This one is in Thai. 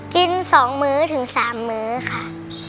กินสองมื้อถึงสามมื้อค่ะ